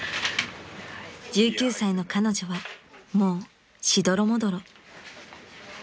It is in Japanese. ［１９歳の彼女はもうしどろもどろ］